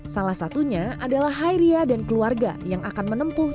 salah satunya adalah hairia dan keluarga yang akan menempuh